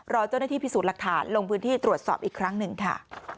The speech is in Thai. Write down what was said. รอเจ้าหน้าที่พิสูจน์หลักฐานลงพื้นที่ตรวจสอบอีกครั้งหนึ่งค่ะ